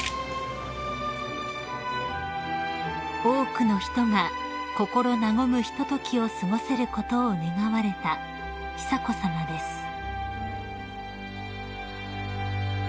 ［多くの人が心和むひとときを過ごせることを願われた久子さまです］